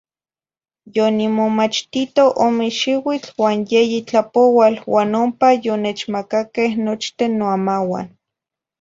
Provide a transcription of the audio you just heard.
Yonimomachtito ome xiuitl uan yeyi tlapoual, uan ompa yonechmacaque nochten noamauan.